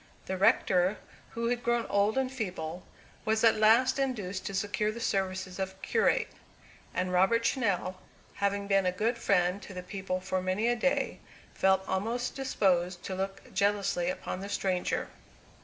The rector, who had grown old and feeble, was at last induced to secure the services of a curate. And Robert Channell, having been a good friend to the people for many a day, felt almost disposed to look jealously upon the stranger.